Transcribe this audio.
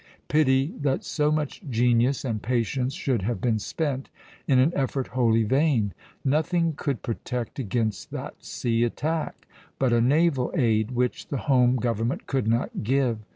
Pity that so much genius and patience should have been spent in an effort wholly vain; nothing could protect against that sea attack but a naval aid, which the home government could not give.